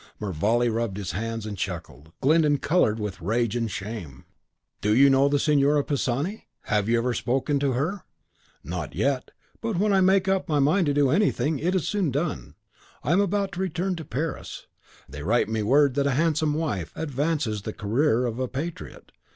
Mervale rubbed his hands, and chuckled. Glyndon coloured with rage and shame. "Do you know the Signora Pisani? Have you ever spoken to her?" "Not yet. But when I make up my mind to anything, it is soon done. I am about to return to Paris. They write me word that a handsome wife advances the career of a patriot.